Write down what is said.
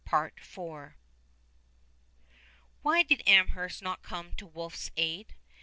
Why did Amherst not come to Wolfe's aid?